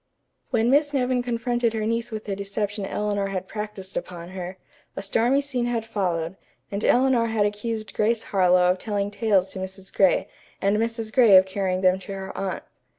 When Miss Nevin confronted her niece with the deception Eleanor had practised upon her, a stormy scene had followed, and Eleanor had accused Grace Harlowe of telling tales to Mrs. Gray, and Mrs. Gray of carrying them to her aunt.